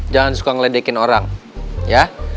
jangan suka ngeledekin orang ya